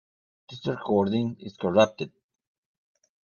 This recording is corrupted.